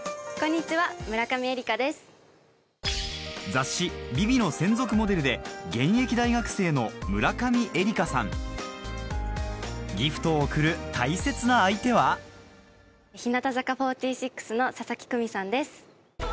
雑誌『ＶｉＶｉ』の専属モデルで現役大学生のギフトを贈る大切な相手は日向坂４６の佐々木久美さんです。